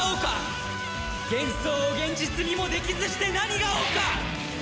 幻想を現実にもできずして何が王か！